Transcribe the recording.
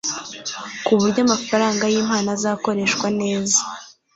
ku buryo amafaranga y impano azakoreshwa neza